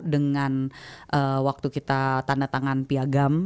dengan waktu kita tanda tangan piagam